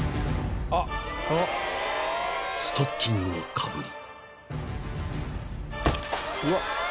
［ストッキングをかぶり］